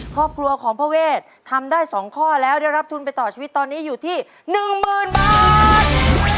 ครอบครัวของพ่อเวททำได้๒ข้อแล้วได้รับทุนไปต่อชีวิตตอนนี้อยู่ที่๑๐๐๐บาท